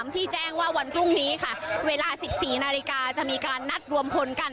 ที่แจ้งว่าวันพรุ่งนี้ค่ะเวลา๑๔นาฬิกาจะมีการนัดรวมพลกัน